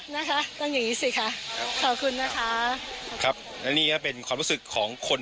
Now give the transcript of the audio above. นะคะต้องอย่างงี้สิค่ะขอบคุณนะคะครับและนี่ก็เป็นความรู้สึกของคน